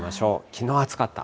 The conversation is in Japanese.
きのう暑かった。